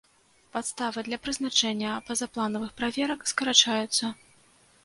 Падставы для прызначэння пазапланавых праверак скарачаюцца.